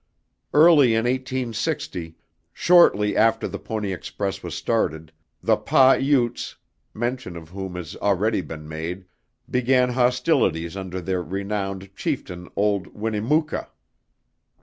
Early in 1860, shortly after the Pony Express was started, the Pah Utes, mention of whom has already been made, began hostilities under their renowned chieftain Old Winnemucca.